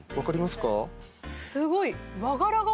すごい。